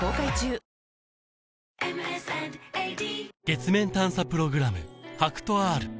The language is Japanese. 月面探査プログラム